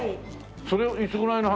それはいつぐらいの話？